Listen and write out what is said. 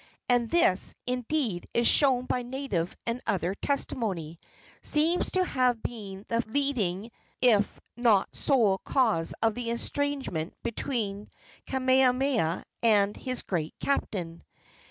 And this, indeed, as shown by native and other testimony, seems to have been the leading if not sole cause of the estrangement between Kamehameha and his great captain.